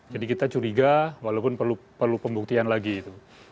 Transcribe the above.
jadi kita curiga walaupun perlu pembuktian lagi itu